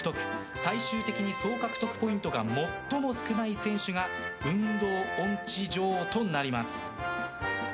最終的に総獲得ポイントが最も少ない選手が運動音痴女王となります。